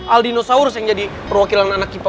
aldinosaurus yang jadi perwakilan anak ips